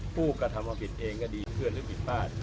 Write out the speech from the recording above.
ผู้กระทำว่าผิดเองก็ดีเพื่อนหรือผิดบ้าน